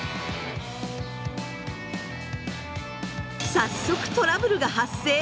早速トラブルが発生。